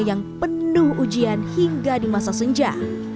yang penuh ujian hingga di masa senja